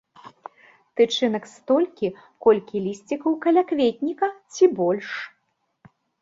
Тычынак столькі, колькі лісцікаў калякветніка ці больш.